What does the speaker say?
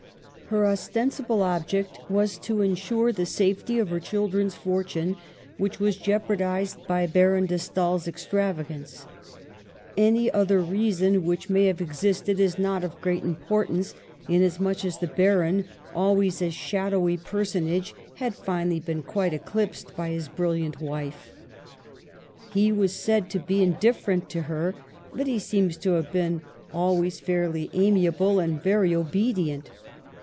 Her ostensible ob ject was to ensure the safety of her children's fort une, which was jeopardized by Baron de Stael's extravagance. Any other reason which may have existed is not of great importance, inasmuch as the Baron, always a shadowy personage, had finally been quite eclipsed by his brilliant wife. He was said to be indifferent to her, but he seems to have been always fairly amiable and very obe dient.